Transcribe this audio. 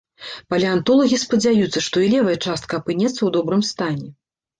Палеантолагі спадзяюцца, што і левая частка апынецца ў добрым стане.